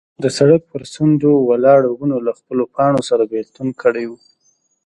د سړک پر څنډو ولاړو ونو له خپلو پاڼو سره بېلتون کړی و.